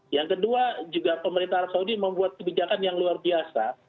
yang kedua juga pemerintah arab saudi membuat kebijakan yang luar biasa